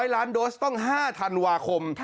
๐ล้านโดสต้อง๕ธันวาคม